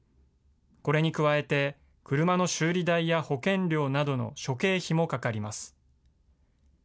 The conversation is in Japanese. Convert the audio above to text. これに加えて、車の修理代や保険料などの諸経費もかかります。